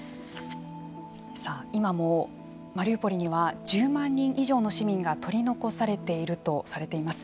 さあ、今もマリウポリには１０万人以上の市民が取り残されているとされています。